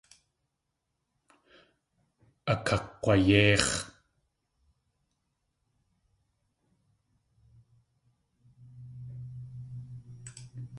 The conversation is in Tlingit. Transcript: Akakg̲wayéix̲.